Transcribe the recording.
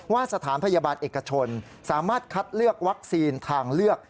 สถานพยาบาลเอกชนสามารถคัดเลือกวัคซีนทางเลือก